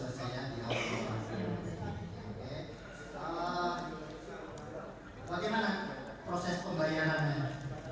bagaimana proses pembayarannya